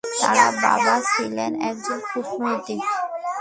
তার বাবা ছিলেন একজন কূটনীতিক।